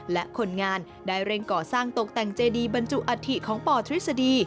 และคนงานได้เร่งก่อสร้างตกแต่งเจดีบรรจุอัฐิของปทฤษฎี